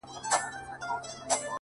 o دا غرونه ؛ غرونه دي ولاړ وي داسي؛